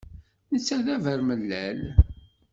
Netta d abermellal.